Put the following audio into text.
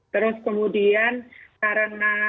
terus kemudian karena